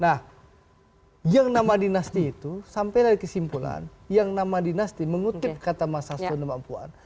nah yang nama dinasti itu sampai dari kesimpulan yang nama dinasti mengutip kata mas asun demampuan